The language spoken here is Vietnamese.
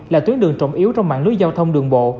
là tuyến đường trọng yếu trong mạng lưới giao thông đường bộ